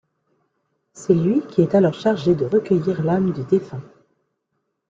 C'est lui qui est alors chargé de recueillir l'âme du défunt.